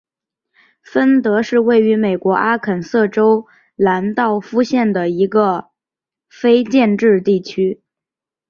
芬德是位于美国阿肯色州兰道夫县的一个非建制地区。